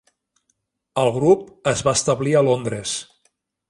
El grup es va establir a Londres.